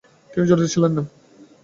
তিনি জড়িত ছিলেন না।